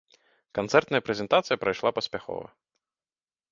Канцэртная прэзентацыя прайшла паспяхова.